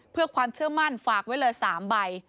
เพื่อความเชื่อมั่นฝากไว้เลย๓ใบ